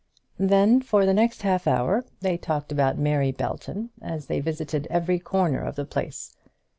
Then, for the next half hour, they talked about Mary Belton as they visited every corner of the place.